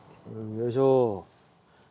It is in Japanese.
よいしょ。